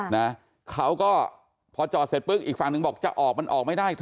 นะเขาก็พอจอดเสร็จปุ๊บอีกฝั่งหนึ่งบอกจะออกมันออกไม่ได้เถ